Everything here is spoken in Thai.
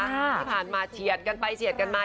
ที่ผ่านมาเฉียดกันไปเฉียดกันมา